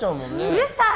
うるさい！